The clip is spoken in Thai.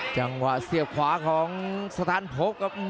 จังหวะเสียบขวาของสถานพกครับ